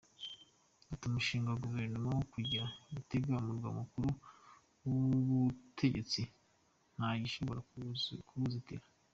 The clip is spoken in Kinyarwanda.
Ati ‘‘Umushinga wa guverinoma wo kugira Gitega Umurwa Mukuru W’ubutegetsi nta gishobora kuwuzitira.